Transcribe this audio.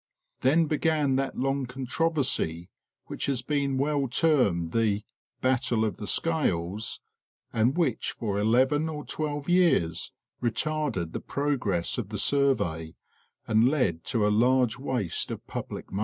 Then began that long controversy which has been well termed the "battle of the scales" and which for eleven or twelve years retarded the progress of the survey and led to a large waste of public money.